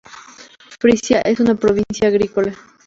Frisia es una provincia agrícola.